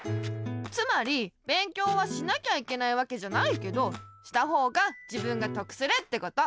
つまり勉強はしなきゃいけないわけじゃないけどしたほうが自分がとくするってこと。